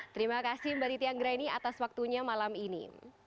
terima kasih mbak titi anggraini atas waktunya malam ini